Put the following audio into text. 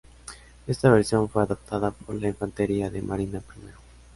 Esta versión fue adoptada por la Infantería de Marina primero.